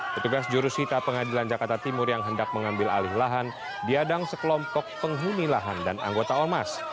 petugas jurusita pengadilan jakarta timur yang hendak mengambil alih lahan diadang sekelompok penghuni lahan dan anggota ormas